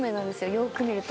よく見ると。